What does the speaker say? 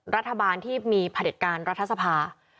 รัฐบาลที่มีผลิตการรัฐสภา